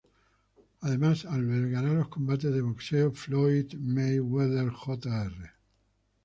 Además albergará los combates de boxeo Floyd Mayweather Jr.